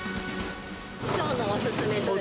きょうのお勧めどれですか。